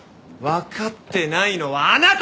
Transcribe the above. わかってないのはあなただ！